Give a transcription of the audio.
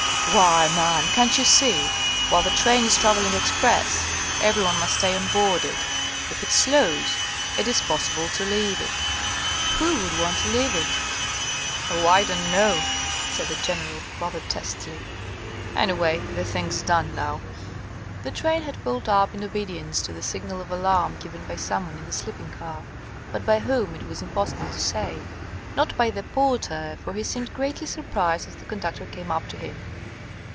"Why, man, can't you see? While the train is travelling express, every one must stay on board it; if it slows, it is possible to leave it." "Who would want to leave it?" "Oh, I don't know," said the General, rather testily. "Any way, the thing's done now." The train had pulled up in obedience to the signal of alarm given by some one in the sleeping car, but by whom it was impossible to say. Not by the porter, for he seemed greatly surprised as the conductor came up to him.